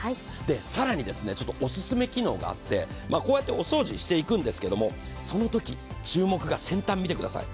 更にオススメ機能があって、こうやってお掃除していくんですけれども、そのとき注目が先端見てください。